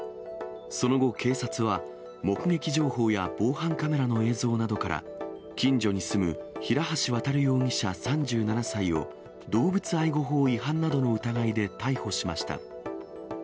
その後、警察は目撃情報や防犯カメラの映像などから、近所に住む、平橋渉容疑者３７歳を、動物愛護法違反などの疑いで逮捕しました。